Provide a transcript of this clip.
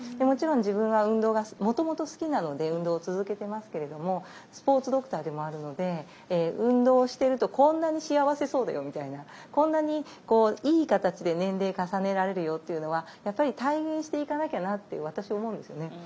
もちろん自分は運動がもともと好きなので運動を続けてますけれどもスポーツドクターでもあるので運動をしてるとこんなに幸せそうだよみたいなこんなにこういい形で年齢重ねられるよっていうのはやっぱり体現していかなきゃなって私思うんですよね。